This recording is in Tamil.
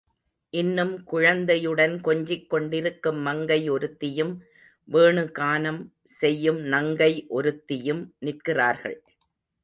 இன்னும் குழந்தையுடன் கொஞ்சிக் கொண்டிருக்கும் மங்கை ஒருத்தியும், வேணுகானம் செய்யும் நங்கை ஒருத்தியும் நிற்கிறார்கள்.